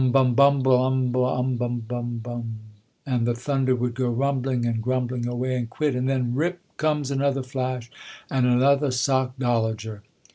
bum! bumble umble umbum bum bum bum and the thunder would go rumbling and grumbling away, and quit and then rip comes another flash and another sockdolager.